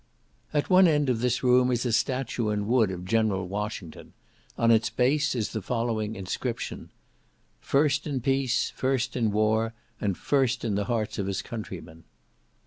At one end of this room is a statue in wood of General Washington; on its base is the following inscription: First in Peace, First in War, and First in the hearts of his Countrymen.